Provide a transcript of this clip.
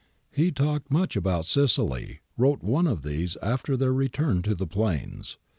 * He talked much about Sicily,' wrote one of these after their return to the plains.